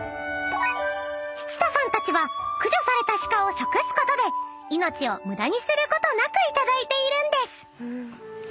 ［七田さんたちは駆除された鹿を食すことで命を無駄にすることなくいただいているんです］